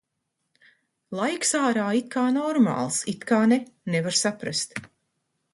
Laiks ārā it kā normāls, it kā nē – nevar saprast.